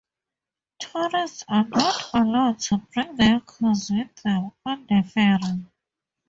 Tourists are not allowed to bring their cars with them on the ferry.